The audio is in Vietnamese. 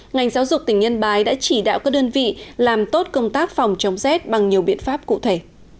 ngành giáo dục tỉnh yên bái đã chỉ đạo các đơn vị làm tốt công tác phòng chống rét bằng nhiều biện pháp cụ thể